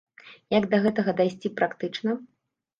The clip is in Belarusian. Як да гэтага дайсці практычна?